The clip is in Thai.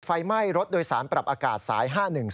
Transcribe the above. ไฟไหม้รถโดยสารปรับอากาศสาย๕๑๒